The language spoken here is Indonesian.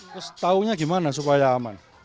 terus taunya gimana supaya aman